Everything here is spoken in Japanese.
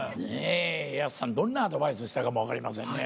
やすしさん、どんなアドバイスしたかも分かりませんね。